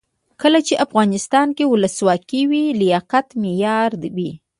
کله چې افغانستان کې ولسواکي وي لیاقت معیار وي.